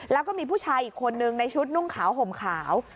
แล้วก็มีผู้ชายอีกคนนึงในชุดนุ่งขาวห่มขาว